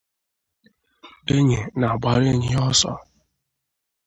enyi na-agbara enyi ya ọsọ